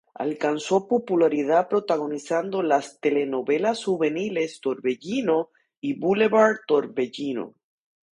Alcanzó popularidad protagonizando las telenovelas juveniles "Torbellino" y "Boulevard Torbellino".